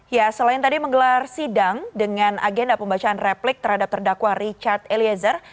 ya selain tadi menggelar sidang dengan agenda pembacaan replik terhadap terdakwa richard eliezer